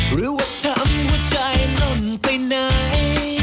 หรือว่าทำหัวใจล่ำไปไหน